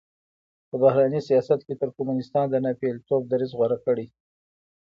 په بهرني سیاست کې ترکمنستان د ناپېیلتوب دریځ غوره کړی.